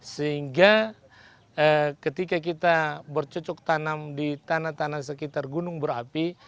sehingga ketika kita bercocok tanam di tanah tanah sekitar gunung berapi